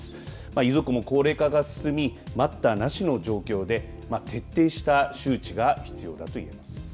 遺族も高齢化が進み待ったなしの状況で徹底した周知が必要だと言えます。